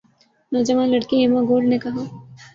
نوجوان لڑکی Emma Gold نے کہا